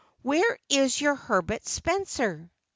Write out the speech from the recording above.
"Where is your Herbert Spencer?"